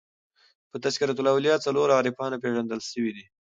په "تذکرةالاولیاء" څلور عارفانو پېژندل سوي دي.